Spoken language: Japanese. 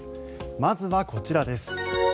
まずはこちらです。